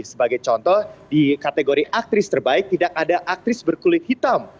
sebagai contoh di kategori aktris terbaik tidak ada aktris berkulit hitam